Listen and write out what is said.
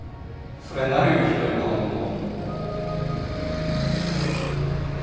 そりゃなるよひどい顔にも。